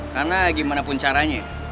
karena gimana pun caranya